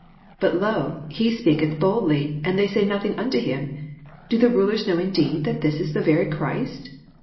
26 Bat, loy he spealcetb boldly, and iliey say nothing unto him. Do the mien know indeed that this is the very Christ